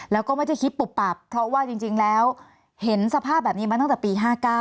แล้วก็ไม่ได้คิดปุบปับเพราะว่าจริงแล้วเห็นสภาพแบบนี้มาตั้งแต่ปี๕๙